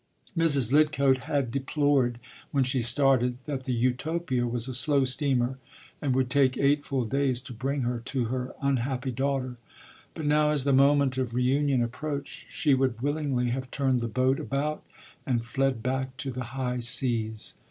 Mrs. Lidcote had deplored, when she started, that the Utopia was a slow steamer, and would take eight full days to bring her to her unhappy daughter; but now, as the moment of reunion approached, she would willingly have turned the boat about and fled back to the high seas.